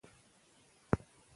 څوګ باید په ښکاره خبرې وکړي.